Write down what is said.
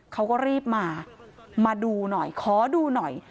เขาก็รีบมามาดูหน่อยขอดูหน่อย